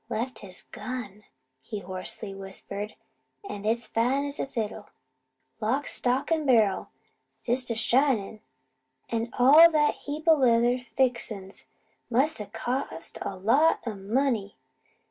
"Left his gun," he hoarsely whispered, "an' it's fine as a fiddle. Lock, stock, an' barrel just a shinin'. An' all that heap o' leather fixin's. Must a cost a lot o' money.